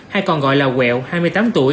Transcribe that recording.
hay còn gọi là quẹo hai mươi tám tuổi